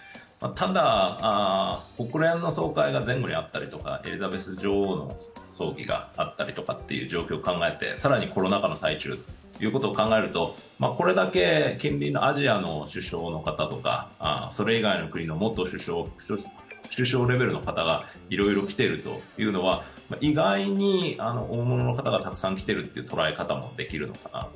ただ、国連の総会があったりとかエリザベス女王の葬儀があったりとかという状況を考えて、更にコロナ禍の最中ということを考えるとこれだけ近隣のアジアの首相の方とかそれ以外の国の元首相レベルの方がいろいろ来ているというのは意外に大物の方がたくさん来てるという捉え方もできるのかなと。